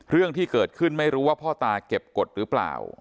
เรื่องที่เกิดขึ้นไม่รู้ว่าพ่อตาเก็บกฎหรือเปล่า